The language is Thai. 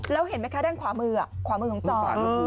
แล้วเห็นไหมคะด้านขวามือขวามือของจอด